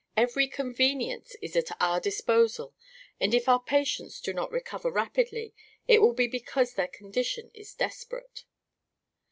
Every convenience is at our disposal and if our patients do not recover rapidly it will be because their condition is desperate."